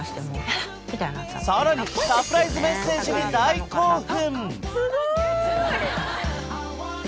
「えっ！？」みたいなさらにサプライズメッセージに大興奮！